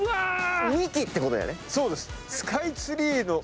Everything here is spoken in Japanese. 幹ってことだよね。